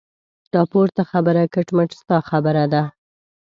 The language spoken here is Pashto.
دا پورته خبره کټ مټ ستا خبره ده.